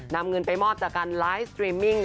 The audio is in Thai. นำเงินไปมอบจากการไลฟ์สตรีมมิ่ง